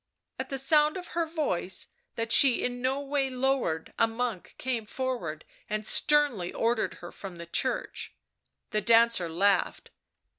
At the sound of her voice that she in no way lowered a monk came forward and sternly ordered her from the church. The dancer laughed.